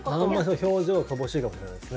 表情乏しいかもしれないですね。